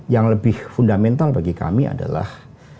yang lebih fundamental bagi kami adalah